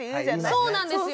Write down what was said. そうなんですよ。